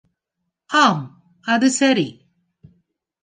ஆம், அது சரி!.